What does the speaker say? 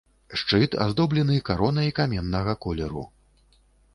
Шчыт аздоблены каронай каменнага колеру.